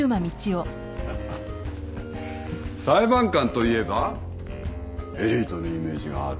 裁判官といえばエリートのイメージがある。